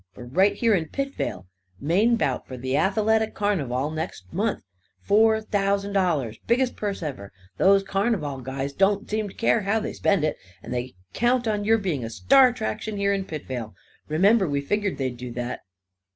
For right here in Pitvale. Main bout for the Athaletic Carn'val, next month. Four thousand dollars! Biggest purse ever! Those carn'val guys don't seem to care how they spend it. And they count on your being a star attraction, here in Pitvale. Remember we figgered they'd do that."